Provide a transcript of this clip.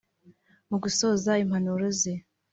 Mu gusoza impanuro ze